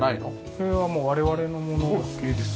これはもう我々のものだけですね。